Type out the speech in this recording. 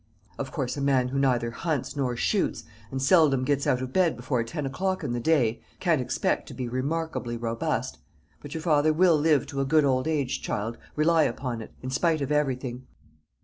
Of course, a man who neither hunts nor shoots, and seldom gets out of bed before ten o'clock in the day, can't expect to be remarkably robust. But your father will live to a good old age, child, rely upon it, in spite of everything."